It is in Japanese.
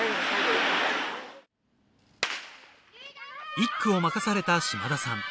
１区を任された嶋田さん